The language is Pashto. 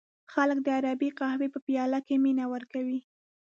خلک د عربی قهوې په پیاله کې مینه ورکوي.